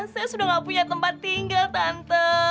saya sudah gak punya tempat tinggal tante